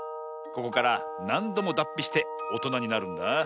ここからなんどもだっぴしておとなになるんだ。